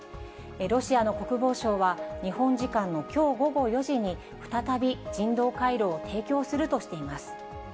ロシアの国防省は、日本時間のきょう午後４時に、再び人道回廊を提供するとしています。